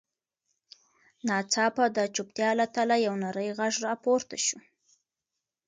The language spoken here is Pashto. ناڅاپه د چوپتیا له تله یو نرۍ غږ راپورته شو.